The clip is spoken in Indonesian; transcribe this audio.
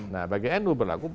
nah bagi nu berlaku